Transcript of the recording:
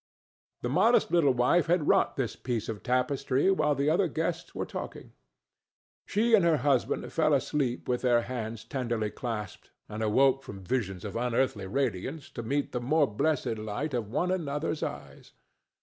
The modest little wife had wrought this piece of tapestry while the other guests were talking. She and her husband fell asleep with hands tenderly clasped, and awoke from visions of unearthly radiance to meet the more blessed light of one another's eyes.